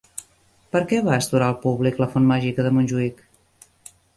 Per què va astorar al públic la Font màgica de Montjuïc?